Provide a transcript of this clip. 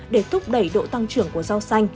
để thúc đẩy độ tăng trưởng của rau xanh